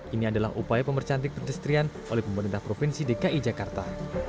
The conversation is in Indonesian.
ini adalah upaya pemercantik perdestrian oleh pemerintah provinsi dki jakarta